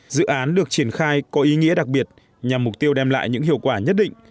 dự án được triển khai có ý nghĩa đặc biệt nhằm mục tiêu đem lại những hiệu quả nhất định